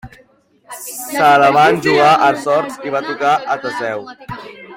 Se la van jugar a sorts i va tocar a Teseu.